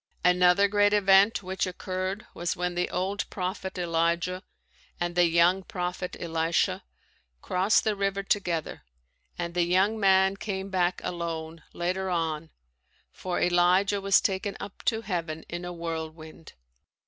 Another great event which occurred was when the old prophet Elijah and the young prophet Elisha crossed the river together and the young man came back alone later on for Elijah was taken up to heaven in a whirlwind.